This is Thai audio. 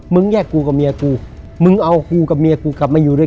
มึงแยกกูกับเมียกู